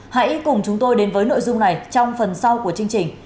hãy cùng chúng tôi đến với nội dung này trong phần sau của chương trình